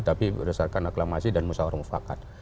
tapi berdasarkan aklamasi dan musawarung fakat